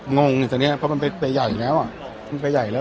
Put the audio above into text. งงหรือใส่เนี้ยเพราะมันเป็นเป็นใหญ่แล้วมันเป็นใหญ่แล้ว